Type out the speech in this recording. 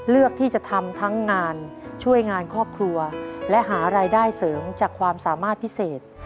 และหารายได้เสริมจากความสามารถพิเศษ